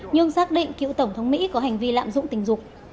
nhưng xác định cựu tổng thống mỹ có hành vi lạm dụng tình dục